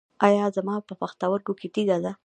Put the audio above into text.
ایا زما په پښتورګي کې تیږه ده؟